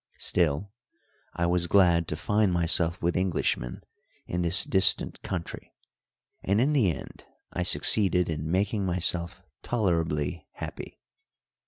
Still, I was glad to find myself with Englishmen in this distant country, and in the end I succeeded in making myself tolerably happy.